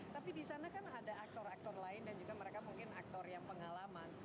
tapi di sana kan ada aktor aktor lain dan juga mereka mungkin aktor yang pengalaman